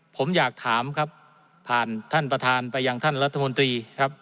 ผมอยากถามครับผ่านท่านประธานไปยังท่านรัฐมนตรีครับ